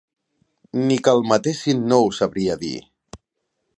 Ni que el matessin no ho sabria dir.